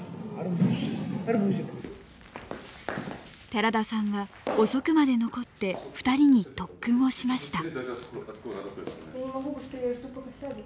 寺田さんは遅くまで残って２人に特訓をしました。